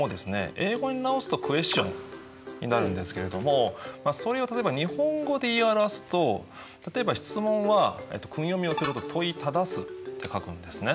英語に直すとクエスチョンになるんですけれどもそれを例えば日本語で言い表すと例えば質問は訓読みをすると問い質すと書くんですね。